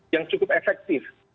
yang cukup efektif